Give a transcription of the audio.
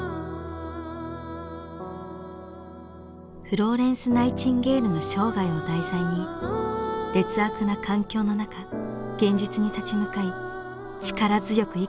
フローレンス・ナイチンゲールの生涯を題材に劣悪な環境の中現実に立ち向かい力強く生きていく姿を表現しました。